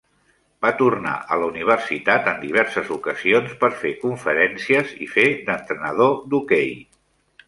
Va tornar a la universitat en diverses ocasions per fer conferències i fer d'entrenador d'hoquei.